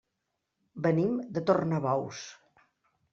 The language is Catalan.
Venim de Tornabous.